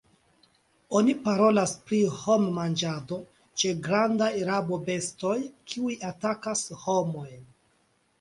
Oni parolas pri hom-manĝado ĉe grandaj rabobestoj, kiuj atakas homojn.